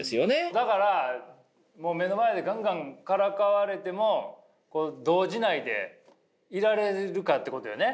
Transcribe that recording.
だからもう目の前でガンガンからかわれても動じないでいられるかってことよね。